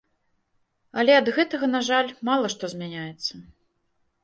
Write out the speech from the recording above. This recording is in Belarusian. Але ад гэтага, на жаль, мала што змяняецца.